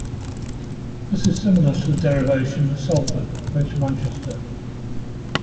This is similar to the derivation of Salford, Greater Manchester.